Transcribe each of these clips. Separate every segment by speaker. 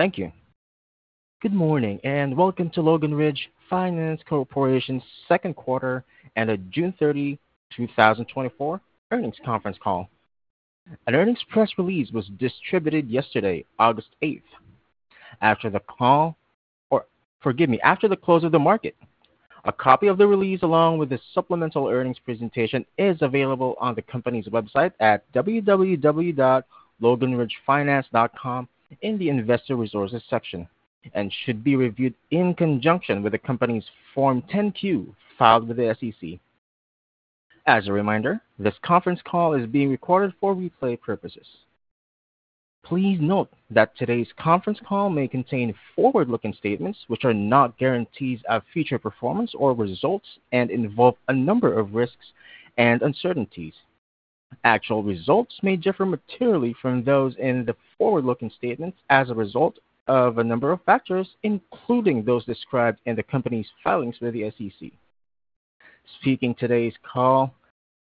Speaker 1: Thank you. Good morning, and welcome to Logan Ridge Finance Corporation's second quarter and June 30, 2024 earnings conference call. An earnings press release was distributed yesterday, August 8. After the call, or forgive me, after the close of the market. A copy of the release, along with the supplemental earnings presentation, is available on the company's website at www.loganridgefinance.com in the Investor Resources section, and should be reviewed in conjunction with the company's Form 10-Q filed with the SEC. As a reminder, this conference call is being recorded for replay purposes. Please note that today's conference call may contain forward-looking statements which are not guarantees of future performance or results and involve a number of risks and uncertainties. Actual results may differ materially from those in the forward-looking statements as a result of a number of factors, including those described in the company's filings with the SEC. Speaking on today's call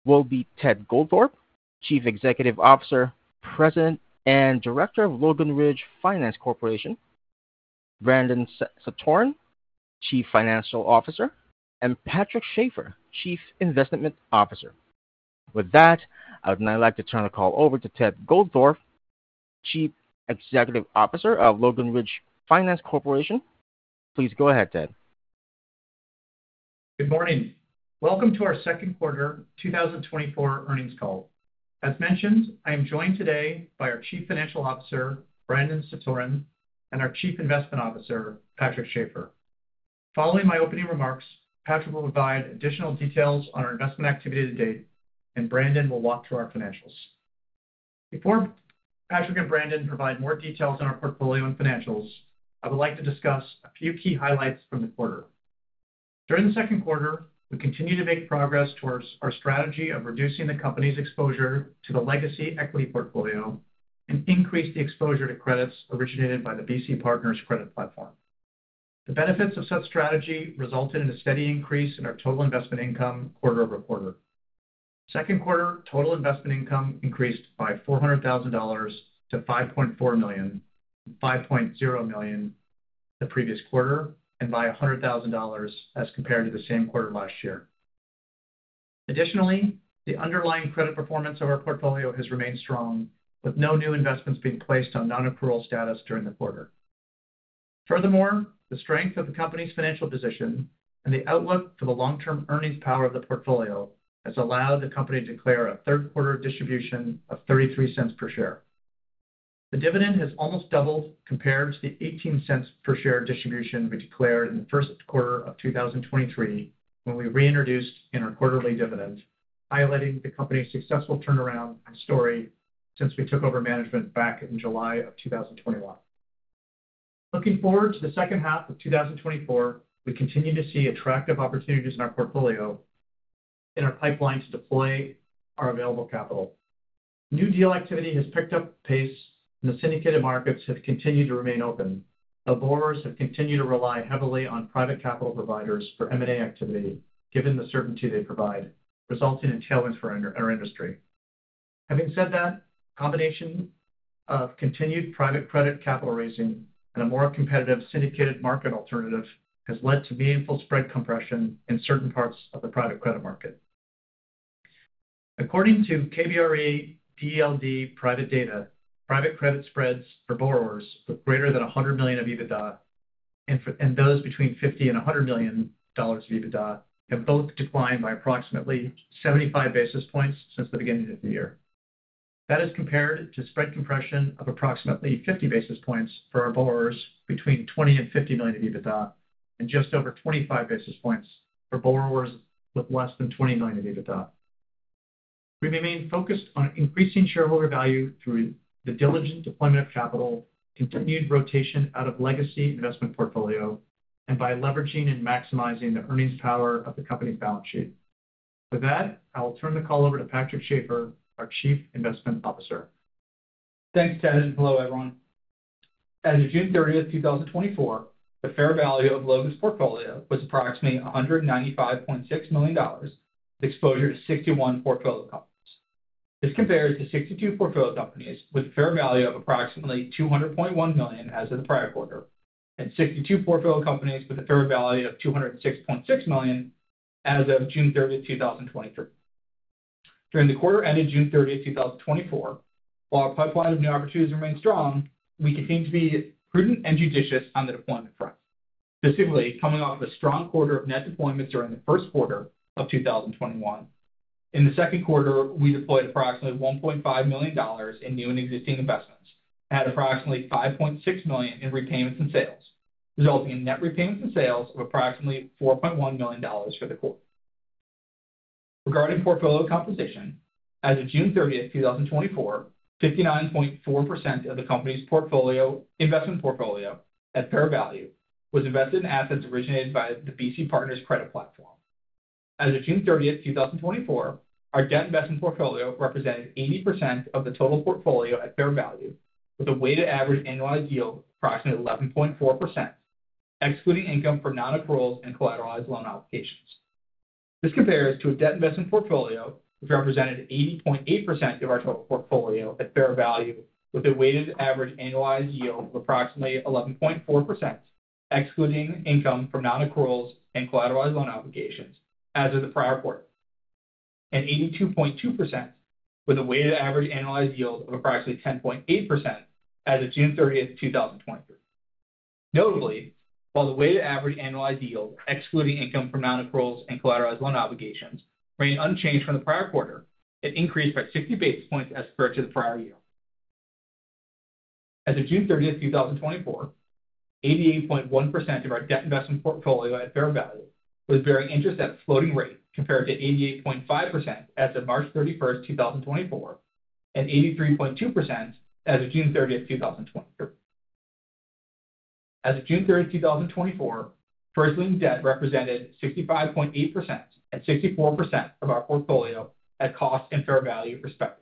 Speaker 1: will be Ted Goldthorpe, Chief Executive Officer, President, and Director of Logan Ridge Finance Corporation, Brandon Satoren, Chief Financial Officer, and Patrick Schaefer, Chief Investment Officer. With that, I would now like to turn the call over to Ted Goldthorpe, Chief Executive Officer of Logan Ridge Finance Corporation. Please go ahead, Ted.
Speaker 2: Good morning. Welcome to our second quarter 2024 earnings call. As mentioned, I am joined today by our Chief Financial Officer, Brandon Satoren, and our Chief Investment Officer, Patrick Schaefer. Following my opening remarks, Patrick will provide additional details on our investment activity to date, and Brandon will walk through our financials. Before Patrick and Brandon provide more details on our portfolio and financials, I would like to discuss a few key highlights from the quarter. During the second quarter, we continued to make progress towards our strategy of reducing the company's exposure to the legacy equity portfolio and increase the exposure to credits originated by the BC Partners Credit platform. The benefits of such strategy resulted in a steady increase in our total investment income quarter-over-quarter. Second quarter total investment income increased by $400,000 to $5.4 million, $5.0 million the previous quarter, and by $100,000 as compared to the same quarter last year. Additionally, the underlying credit performance of our portfolio has remained strong, with no new investments being placed on non-accrual status during the quarter. Furthermore, the strength of the company's financial position and the outlook for the long-term earnings power of the portfolio has allowed the company to declare a third quarter distribution of $0.33 per share. The dividend has almost doubled compared to the $0.18 per share distribution we declared in the first quarter of 2023, when we reintroduced our quarterly dividend, highlighting the company's successful turnaround story since we took over management back in July of 2021. Looking forward to the second half of 2024, we continue to see attractive opportunities in our portfolio in our pipeline to deploy our available capital. New deal activity has picked up pace, and the syndicated markets have continued to remain open. Our borrowers have continued to rely heavily on private capital providers for M&A activity, given the certainty they provide, resulting in tailwinds for our industry. Having said that, combination of continued private credit capital raising and a more competitive syndicated market alternative has led to meaningful spread compression in certain parts of the private credit market. According to KBRA DLD private data, private credit spreads for borrowers with greater than $100 million of EBITDA and those between $50 million and $100 million of EBITDA have both declined by approximately 75 basis points since the beginning of the year. That is compared to spread compression of approximately 50 basis points for our borrowers between $20 million and $50 million of EBITDA, and just over 25 basis points for borrowers with less than $20 million of EBITDA. We remain focused on increasing shareholder value through the diligent deployment of capital, continued rotation out of legacy investment portfolio, and by leveraging and maximizing the earnings power of the company's balance sheet. With that, I will turn the call over to Patrick Schaefer, our Chief Investment Officer.
Speaker 3: Thanks, Ted, and hello, everyone. As of June 30th, 2024, the fair value of Logan's portfolio was approximately $195.6 million, with exposure to 61 portfolio companies. This compares to 62 portfolio companies with a fair value of approximately $200.1 million as of the prior quarter, and 62 portfolio companies with a fair value of $206.6 million as of June 30th, 2023. During the quarter ended June 30th, 2024, while our pipeline of new opportunities remains strong, we continue to be prudent and judicious on the deployment front. Specifically, coming off a strong quarter of net deployments during the first quarter of 2021, in the second quarter, we deployed approximately $1.5 million in new and existing investments and had approximately $5.6 million in repayments and sales, resulting in net repayments and sales of approximately $4.1 million for the quarter. Regarding portfolio composition, as of June 30, 2024, 59.4% of the company's portfolio, investment portfolio at fair value was invested in assets originated by the BC Partners credit platform. As of June 30, 2024, our debt investment portfolio represented 80% of the total portfolio at fair value, with a weighted average annualized yield of approximately 11.4%, excluding income for non-accruals and collateralized loan obligations.... This compares to a debt investment portfolio, which represented 80.8% of our total portfolio at fair value, with a weighted average annualized yield of approximately 11.4%, excluding income from non-accruals and collateralized loan obligations as of the prior quarter, and 82.2%, with a weighted average annualized yield of approximately 10.8% as of June 30, 2023. Notably, while the weighted average annualized yield, excluding income from non-accruals and collateralized loan obligations, remained unchanged from the prior quarter, it increased by 60 basis points as compared to the prior year. As of June 30th, 2024, 88.1% of our debt investment portfolio at fair value was bearing interest at a floating rate, compared to 88.5% as of March 31st, 2024, and 83.2% as of June 30th, 2023. As of June 30th, 2024, first lien debt represented 65.8% and 64% of our portfolio at cost and fair value, respectively.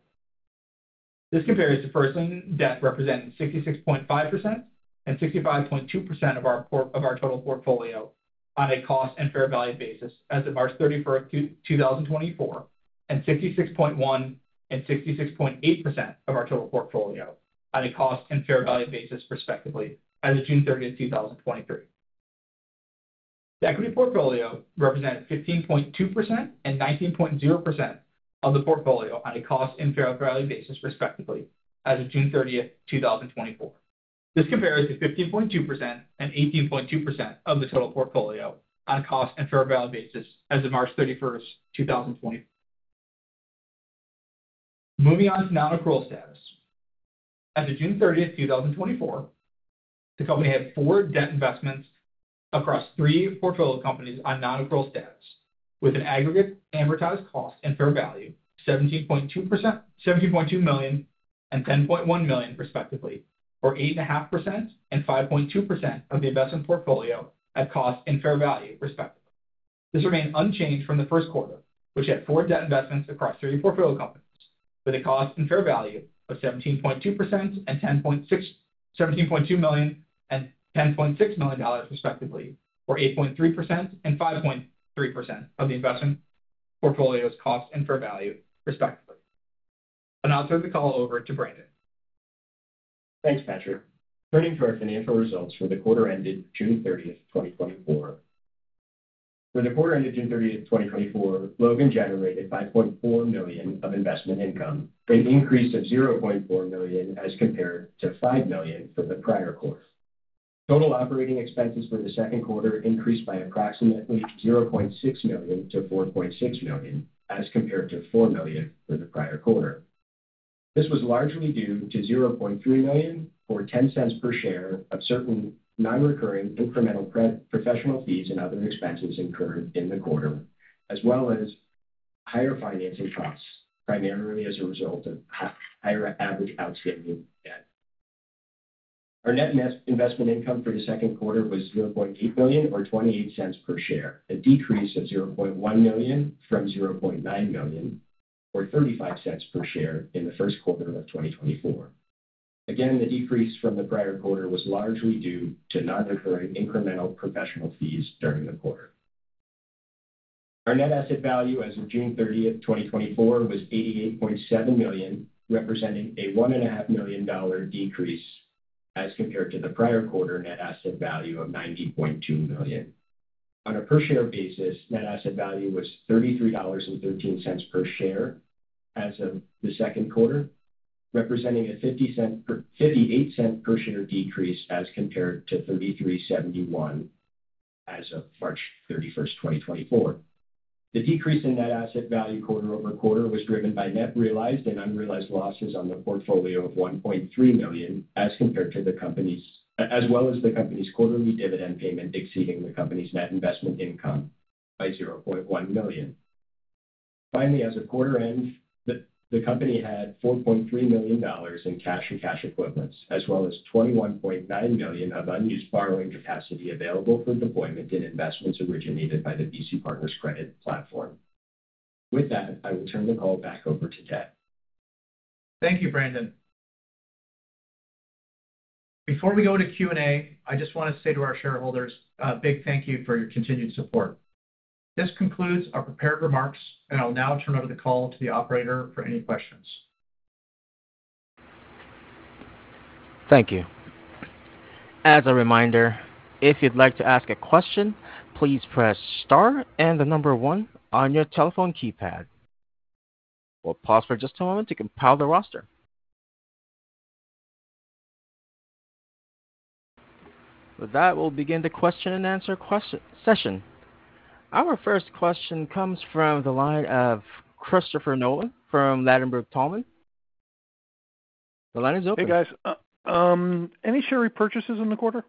Speaker 3: This compares to first lien ebt representing 66.5% and 65.2% of our total portfolio on a cost and fair value basis as of March 31st, 2024, and 66.1% and 66.8% of our total portfolio on a cost and fair value basis, respectively, as of June 30th, 2023. The equity portfolio represented 15.2% and 19.0% of the portfolio on a cost and fair value basis, respectively, as of June 30, 2024. This compares to 15.2% and 18.2% of the total portfolio on a cost and fair value basis as of March 31, 2020. Moving on to non-accrual status. As of June 30, 2024, the company had four debt investments across three portfolio companies on non-accrual status, with an aggregate amortized cost and fair value, $17.2 million and $10.1 million, respectively, or 8.5% and 5.2% of the investment portfolio at cost and fair value, respectively. This remained unchanged from the first quarter, which had four debt investments across three portfolio companies with a cost and fair value of 17.2% and 10.6-$17.2 million and $10.6 million dollars, respectively, or 8.3% and 5.3% of the investment portfolio's cost and fair value, respectively. I'll turn the call over to Brandon.
Speaker 4: Thanks, Patrick. Turning to our financial results for the quarter ended June 30, 2024. For the quarter ended June 30, 2024, Logan generated $5.4 million of investment income, an increase of $0.4 million as compared to $5 million for the prior quarter. Total operating expenses for the second quarter increased by approximately $0.6 million to $4.6 million, as compared to $4 million for the prior quarter. This was largely due to $0.3 million, or $0.10 per share, of certain non-recurring incremental professional fees and other expenses incurred in the quarter, as well as higher financing costs, primarily as a result of higher average outstanding debt. Our net investment income for the second quarter was $0.8 million, or $0.28 per share, a decrease of $0.1 million from $0.9 million, or $0.35 per share in the first quarter of 2024. Again, the decrease from the prior quarter was largely due to non-recurring incremental professional fees during the quarter. Our net asset value as of June 30, 2024, was $88.7 million, representing a $1.5 million dollar decrease as compared to the prior quarter net asset value of $90.2 million. On a per share basis, net asset value was $33.13 per share as of the second quarter, representing a $0.58 per share decrease as compared to $33.71 as of March 31, 2024. The decrease in net asset value quarter-over-quarter was driven by net realized and unrealized losses on the portfolio of $1.3 million, as compared to the company's, as well as the company's quarterly dividend payment exceeding the company's net investment income by $0.1 million. Finally, as of quarter end, the company had $4.3 million in cash and cash equivalents, as well as $21.9 million of unused borrowing capacity available for deployment in investments originated by the BC Partners Credit platform. With that, I will turn the call back over to Ted.
Speaker 2: Thank you, Brandon. Before we go to Q&A, I just want to say to our shareholders a big thank you for your continued support. This concludes our prepared remarks, and I'll now turn over the call to the operator for any questions.
Speaker 1: Thank you. As a reminder, if you'd like to ask a question, please press star and the number one on your telephone keypad. We'll pause for just a moment to compile the roster. With that, we'll begin the question and answer session. Our first question comes from the line of Christopher Nolan from Ladenburg Thalmann. The line is open.
Speaker 5: Hey, guys. Any share repurchases in the quarter?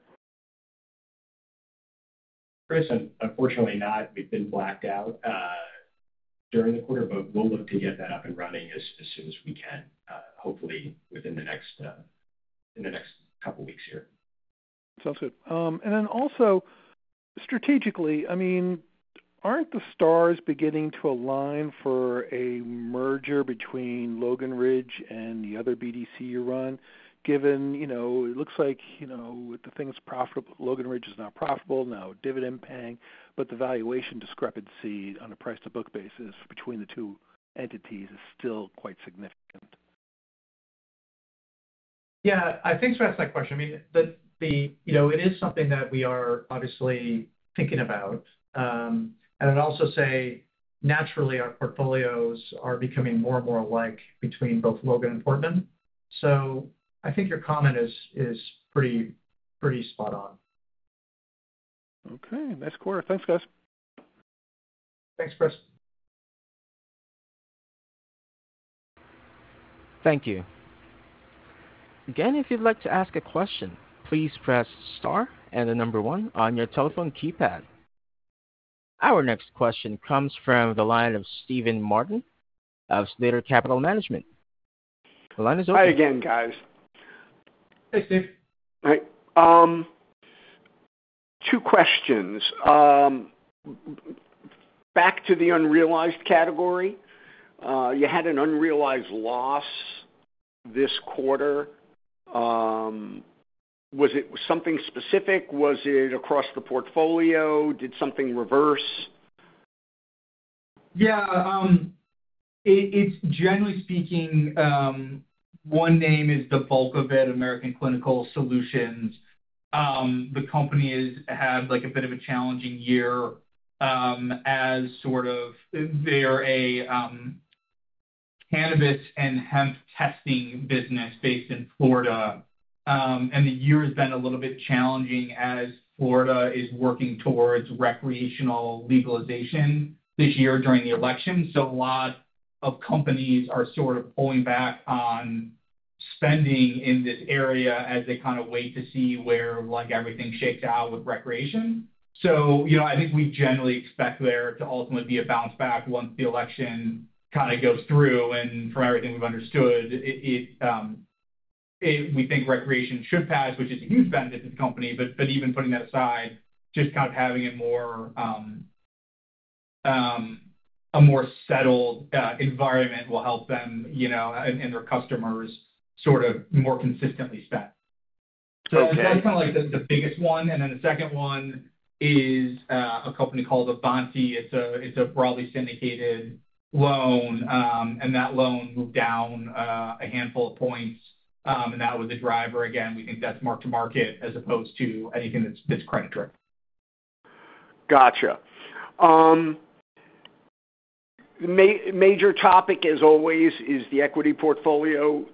Speaker 4: Chris, unfortunately not. We've been blacked out during the quarter, but we'll look to get that up and running as soon as we can, hopefully within the next couple weeks here.
Speaker 5: Sounds good. And then also, strategically, I mean, aren't the stars beginning to align for a merger between Logan Ridge and the other BDC you run? Given, you know, it looks like, you know, with the things profitable, Logan Ridge is now profitable, now dividend paying, but the valuation discrepancy on a price-to-book basis between the two entities is still quite significant.
Speaker 3: Yeah, I think to answer that question, I mean, you know, it is something that we are obviously thinking about. And I'd also say, naturally, our portfolios are becoming more and more alike between both Logan and Portman. So I think your comment is pretty spot on.
Speaker 5: Okay, nice quarter. Thanks, guys.
Speaker 2: Thanks, Chris.
Speaker 1: Thank you. Again, if you'd like to ask a question, please press star and the number one on your telephone keypad. Our next question comes from the line of Steven Martin of Slater Capital Management. The line is open.
Speaker 6: Hi again, guys.
Speaker 2: Hey, Steve.
Speaker 6: Hi. Two questions. Back to the unrealized category. You had an unrealized loss this quarter. Was it something specific? Was it across the portfolio? Did something reverse?
Speaker 2: Yeah, it's generally speaking, one name is the bulk of it, American Clinical Solutions. The company had, like, a bit of a challenging year, as sort of... They are a cannabis and hemp testing business based in Florida. The year has been a little bit challenging as Florida is working towards recreational legalization this year during the election. So a lot of companies are sort of pulling back on spending in this area as they kinda wait to see where, like, everything shakes out with recreation. So, you know, I think we generally expect there to ultimately be a bounce back once the election kinda goes through, and from everything we've understood, we think recreation should pass, which is a huge benefit to the company. But, but even putting that aside, just kind of having a more, a more settled environment will help them, you know, and, and their customers sort of more consistently spend. That's kinda, like, the biggest one. And then the second one is a company called Avanti. It's a broadly syndicated loan. And that loan moved down a handful of points. And that was the driver. Again, we think that's mark to market as opposed to anything that's credit risk.
Speaker 6: Gotcha. Major topic, as always, is the equity portfolio.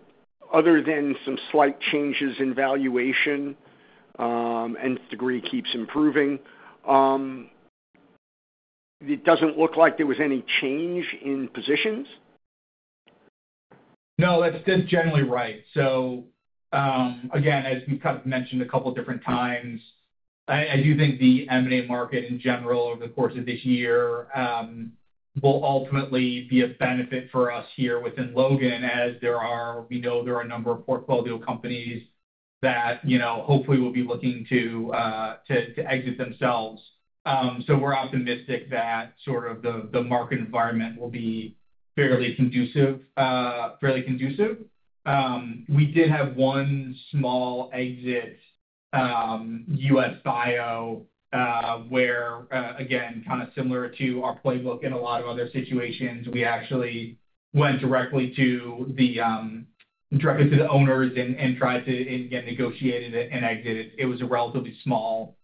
Speaker 6: Other than some slight changes in valuation, Nth Degree keeps improving, it doesn't look like there was any change in positions?
Speaker 2: No, that's, that's generally right. So, again, as we've kind of mentioned a couple different times, I do think the M&A market in general over the course of this year, will ultimately be a benefit for us here within Logan, as there are, we know there are a number of portfolio companies that, you know, hopefully will be looking to, to exit themselves. So we're optimistic that sort of the, the market environment will be fairly conducive, fairly conducive. We did have one small exit, Usio, where, again, kind of similar to our playbook in a lot of other situations, we actually went directly to the, directly to the owners and, and tried to, and again, negotiated it and exited it. It was a relatively small,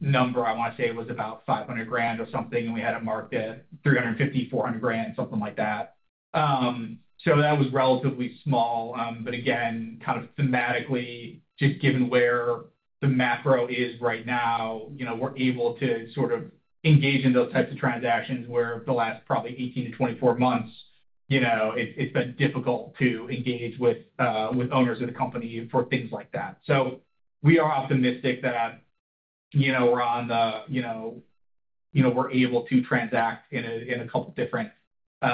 Speaker 2: number. I want to say it was about $500,000 or something, and we had it marked at $350,000-$400,000, something like that. So that was relatively small. But again, kind of thematically, just given where the macro is right now, you know, we're able to sort of engage in those types of transactions, where the last probably 18-24 months, you know, it, it's been difficult to engage with owners of the company for things like that. So we are optimistic that, you know, we're on the, you know, you know, we're able to transact in a couple different of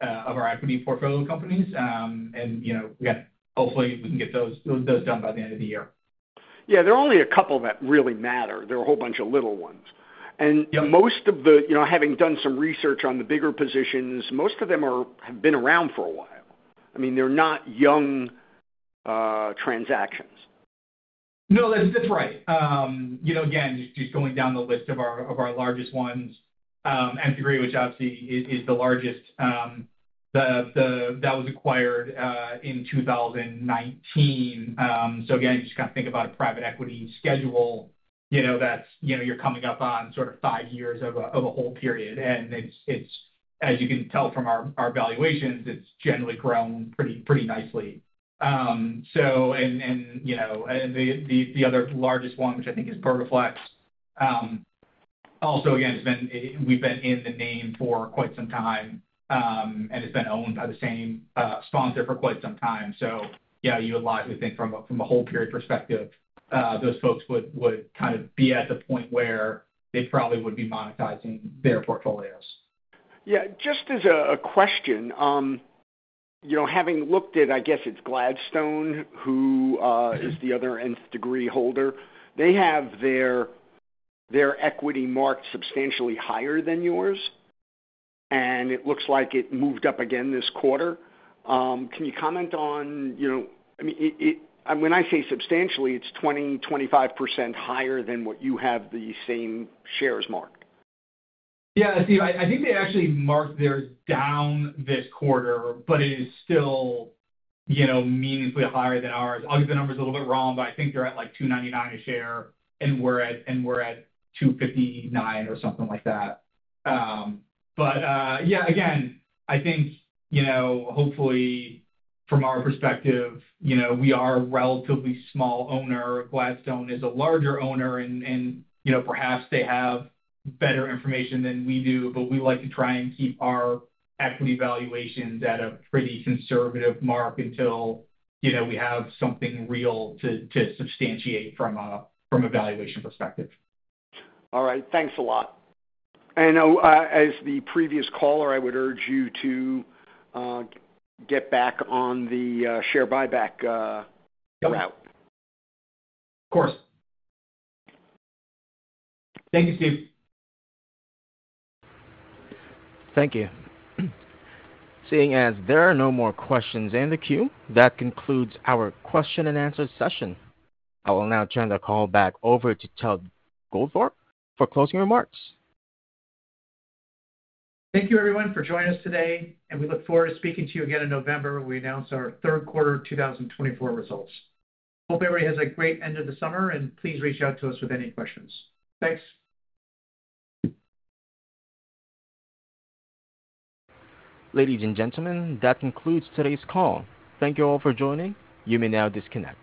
Speaker 2: our equity portfolio companies. And, you know, again, hopefully, we can get those done by the end of the year. Yeah, there are only a couple that really matter. There are a whole bunch of little ones. Most of the... You know, having done some research on the bigger positions, most of them are, have been around for a while. I mean, they're not young, transactions. No, that's right. You know, again, just going down the list of our largest ones, Nth Degree, which obviously is the largest, that was acquired in 2019. So again, just kind of think about a private equity schedule, you know, that's, you know, you're coming up on sort of five years of a whole period, and it's as you can tell from our valuations, it's generally grown pretty nicely. So, and you know, the other largest one, which I think is Burgaflex, also again, we've been in the name for quite some time, and it's been owned by the same sponsor for quite some time. So yeah, you would likely think from a whole period perspective, those folks would kind of be at the point where they probably would be monetizing their portfolios.
Speaker 6: Yeah, just as a question, you know, having looked at, I guess it's Gladstone, who is the other Nth Degree holder. They have their, their equity marked substantially higher than yours, and it looks like it moved up again this quarter. Can you comment on, you know... I mean, it, it—when I say substantially, it's 20%-25% higher than what you have the same shares marked.
Speaker 3: Yeah, Steve, I, I think they actually marked theirs down this quarter, but it is still, you know, meaningfully higher than ours. Obviously, the number is a little bit wrong, but I think they're at, like, $2.99 a share, and we're at, and we're at $2.59 or something like that. But, yeah, again, I think, you know, hopefully from our perspective, you know, we are a relatively small owner. Gladstone is a larger owner and, and, you know, perhaps they have better information than we do, but we like to try and keep our equity valuations at a pretty conservative mark until, you know, we have something real to, to substantiate from a, from a valuation perspective.
Speaker 6: All right. Thanks a lot. And, as the previous caller, I would urge you to get back on the share buyback route.
Speaker 2: Of course. Thank you, Steve.
Speaker 1: Thank you. Seeing as there are no more questions in the queue, that concludes our question and answer session. I will now turn the call back over to Ted Goldthorpe for closing remarks.
Speaker 2: Thank you, everyone, for joining us today, and we look forward to speaking to you again in November, when we announce our third quarter 2024 results. Hope everybody has a great end of the summer, and please reach out to us with any questions. Thanks.
Speaker 1: Ladies and gentlemen, that concludes today's call. Thank you all for joining. You may now disconnect.